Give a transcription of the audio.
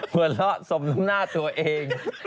หล่อหล่อสมน้ำหน้าตัวเอง